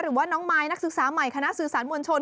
หรือว่าน้องมายนักศึกษาใหม่คณะสื่อสารมวลชน